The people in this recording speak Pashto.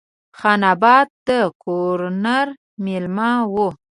خان آباد د ګورنر مېلمه وم.